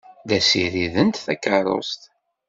La ssirident takeṛṛust.